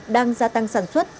đang gia tăng sản xuất